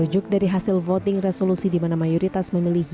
merujuk dari hasil voting resolusi di mana mayor jokowi mengatakan bahwa